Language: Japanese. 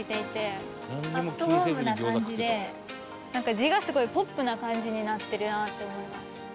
字がすごいポップな感じになってるなって思います。